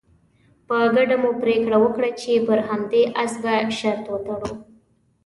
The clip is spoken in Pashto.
په ګډه مو پرېکړه وکړه چې پر همدې اس به شرط تړو.